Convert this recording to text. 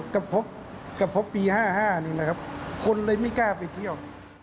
กระพบปี๕๕คนเลยไม่กล้าไปเที่ยว